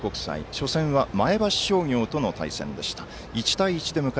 初戦は前橋商業との戦いでした。